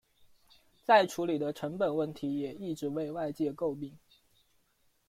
再处理的成本问题也一直为外界诟病。